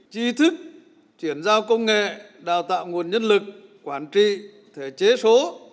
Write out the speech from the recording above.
chi thức chuyển giao công nghệ đào tạo nguồn nhân lực quản trị thể chế số